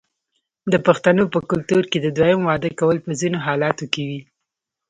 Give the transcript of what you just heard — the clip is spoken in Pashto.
د پښتنو په کلتور کې د دویم واده کول په ځینو حالاتو کې وي.